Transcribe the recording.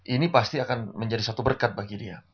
ini pasti akan menjadi satu berkat bagi dia